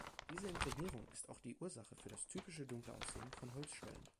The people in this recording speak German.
Diese Imprägnierung ist auch die Ursache für das typische dunkle Aussehen von Holzschwellen.